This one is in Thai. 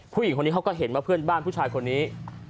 ผู้หญิงคนนี้เขาก็เห็นว่าเพื่อนบ้านผู้ชายคนนี้